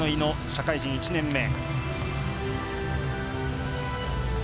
社会人１年目。